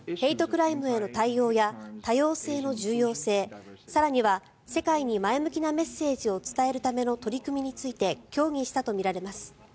クライムへの対応や多様性の重要性更には世界に前向きなメッセージを伝えるための取り組みについて協議したとみられます。